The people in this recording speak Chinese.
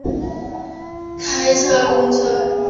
开车公车